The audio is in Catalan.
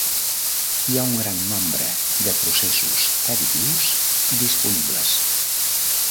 Hi ha un gran nombre de processos additius disponibles.